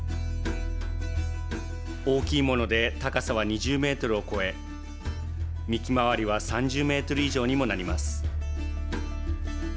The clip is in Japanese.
大きいもので高さは２０ｍを超え幹回りは３０ｍ以上にもなります。